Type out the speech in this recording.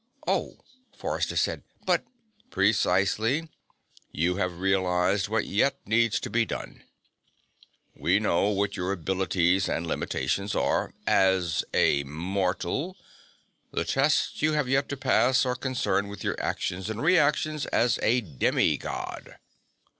"Oh," Forrester said. "But " "Precisely. You have realized what yet needs to be done. We know what your abilities and limitations are as a mortal. The tests you have yet to pass are concerned with your actions and reactions as a demi God."